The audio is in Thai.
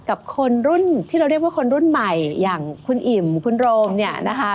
กับคนรุ่นที่เราเรียกว่าคนรุ่นใหม่อย่างคุณอิ่มคุณโรมเนี่ยนะคะ